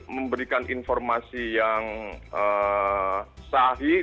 memberikan informasi yang sahih